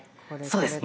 そうです。